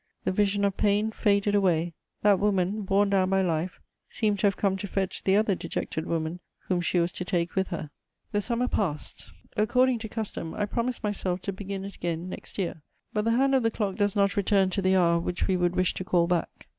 The vision of pain faded away: that woman, borne down by life, seemed to have come to fetch the other dejected woman whom she was to take with her. * [Sidenote: Talma.] The summer passed: according to custom, I promised myself to begin it again next year; but the hand of the clock does not return to the hour which we would wish to call back.